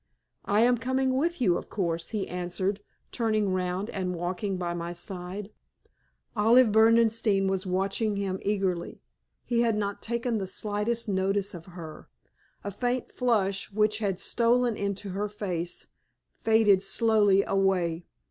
"I am coming with you, of course," he answered, turning round and walking by my side. Olive Berdenstein was watching him eagerly. He had not taken the slightest notice of her. A faint flush, which had stolen into her face, faded slowly away.